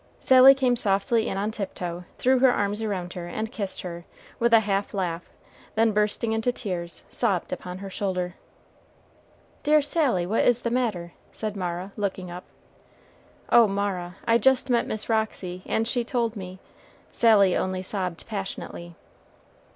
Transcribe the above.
Sally came softly in on tiptoe, threw her arms around her, and kissed her, with a half laugh, then bursting into tears, sobbed upon her shoulder. "Dear Sally, what is the matter?" said Mara, looking up. "Oh, Mara, I just met Miss Roxy, and she told me" Sally only sobbed passionately.